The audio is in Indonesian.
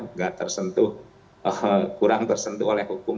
nggak tersentuh kurang tersentuh oleh hukum